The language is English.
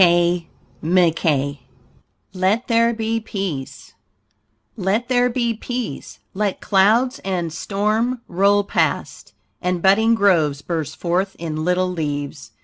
KAY MCKEE LET THERE BE PEACE Let there be peace, let clouds and storm roll past, And budding groves burst forth in little leaves.